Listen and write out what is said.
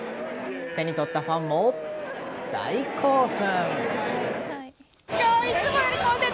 手に取ったファンも大興奮。